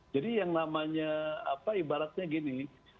jadi yang namanya ibaratnya gini